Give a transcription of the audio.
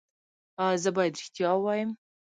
ایا زه باید ریښتیا ووایم؟